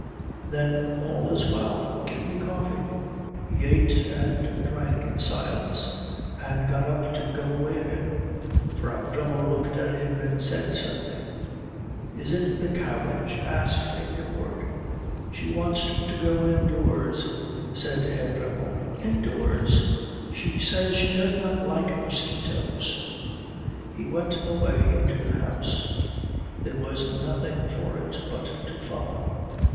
"Then all is well. Give me coffee." He ate and drank in silence, and got up to go away again. Frau Dremmel looked at him and said something. "Is it the carriage?" asked Ingeborg. "She wants to go indoors," said Herr Dremmel. "Indoors?" "She says she does not like mosquitoes." He went away into the house. There was nothing for it but to follow.